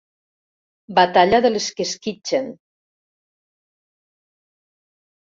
Batalla de les que esquitxen.